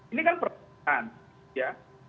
ini kan pertanyaan